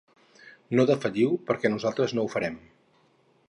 No defalliu perquè nosaltres no ho farem.